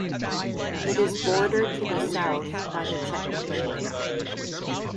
It is bordered to the south by the Czech Republic.